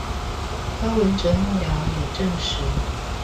柯文哲幕僚也證實